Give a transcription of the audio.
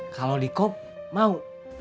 kalau dikop mau